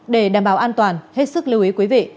để đảm bảo an toàn hết sức lưu ý quý vị